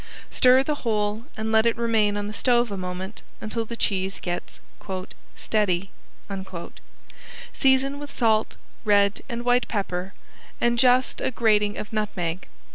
Stir the whole and let it remain on the stove a moment until the cheese gets "steady." Season with salt, red and white pepper, and just a grating of nutmeg.